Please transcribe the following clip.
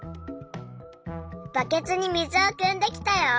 バケツに水をくんできたよ。